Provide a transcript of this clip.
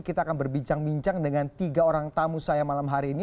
kita akan berbincang bincang dengan tiga orang tamu saya malam hari ini